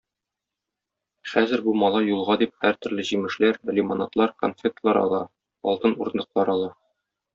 Хәзер бу малай юлга дип һәртөрле җимешләр, лимонадлар, конфетлар ала, алтын урындыклар ала.